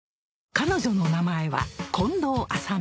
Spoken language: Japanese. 彼女の名前は近藤麻美